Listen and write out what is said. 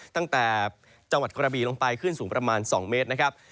ตั้งแต่จังหวัดกระบีลงไปขึ้นสูงประมาณ๒เมตรนะครับ